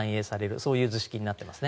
そういう図式になっていますね。